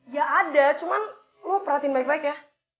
ya ada cuman lu perhatiin baik baik ya